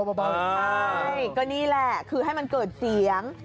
ใช่ก็นี่แหละคือให้มันเกิดเสียง